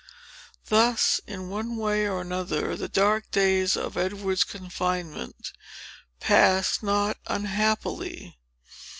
Thus, in one way or another, the dark days of Edward's confinement passed not unhappily.